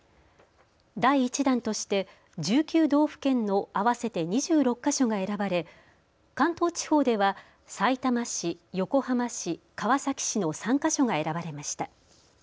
第１弾として１９道府県の合わせて２６か所が選ばれ関東地方では、さいたま市、横浜市、川崎市の３か所が選ばれました。